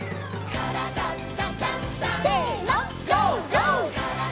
「からだダンダンダン」せの！